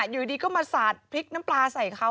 อยู่ดีก็มาสาดพริกน้ำปลาใส่เขา